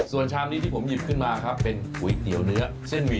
ส่วนชามนี้ที่ผมหยิบขึ้นมาครับเป็นก๋วยเตี๋ยวเนื้อเส้นหมี่